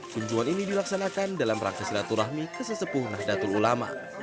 kunjungan ini dilaksanakan dalam rangka silaturahmi kesesepuh nahdlatul ulama